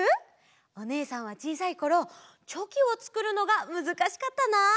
おねえさんはちいさいころチョキをつくるのがむずかしかったな。